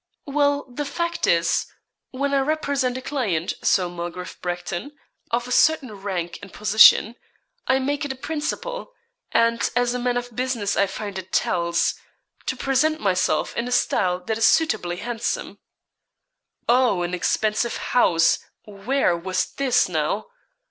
'Well, the fact is, when I represent a client, Sir Mulgrave Bracton, of a certain rank and position, I make it a principle and, as a man of business, I find it tells to present myself in a style that is suitably handsome.' 'Oh! an expensive house where was this, now?'